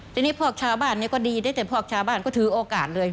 ทีนี้พวกชาวบ้านก็ดีได้แต่พวกชาวบ้านก็ถือโอกาสเลย